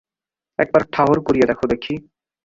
একবার ঠাওর করিয়া দেখো দেখি।